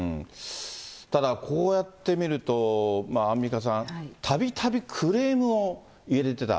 ただこうやって見ると、アンミカさん、たびたびクレームを入れてた。